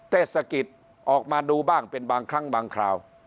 เทศกิจออกมาดูบ้างเป็นบางครั้งบางคราว